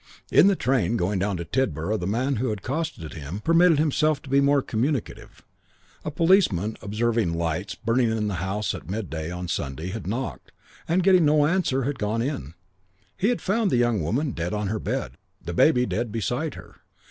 In the train going down to Tidborough the man who had accosted him permitted himself to be more communicative. A policeman, observing lights burning in the house at midday on Sunday, had knocked, and getting no answer had gone in. He had found the young woman dead on her bed, the baby dead beside her.